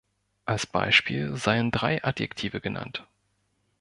Als Beispiel seien drei Adjektive genannt.